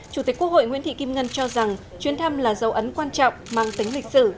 chủ tịch quốc hội nguyễn thị kim ngân cho rằng chuyến thăm là dấu ấn quan trọng mang tính lịch sử